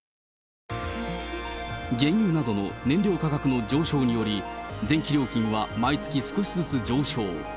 原油などの燃料価格の上昇により、電気料金は毎月少しずつ上昇。